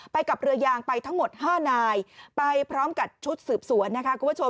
กับเรือยางไปทั้งหมด๕นายไปพร้อมกับชุดสืบสวนนะคะคุณผู้ชม